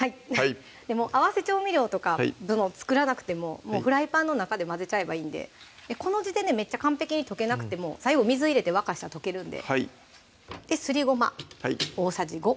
もう合わせ調味料とか作らなくてももうフライパンの中で混ぜちゃえばいいんでこの時点でめっちゃ完璧に溶けなくても最後水入れて沸かしたら溶けるんですりごま大さじ５